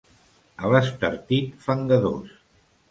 A l'Estartit, fangadors.